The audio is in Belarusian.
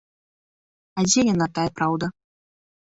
А дзе яна, тая праўда?